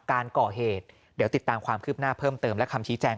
การก่อเหตุเดี๋ยวติดตามความคืบหน้าเพิ่มเติมและคำชี้แจง